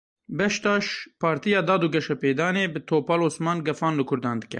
Beştaş, Partiya Dad û Geşepêdanê bi Topal Osman gefan li Kurdan dike.